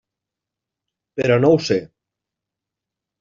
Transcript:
Però no ho sé.